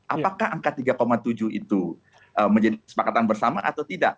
apakah angka tiga tujuh itu menjadi kesepakatan bersama atau tidak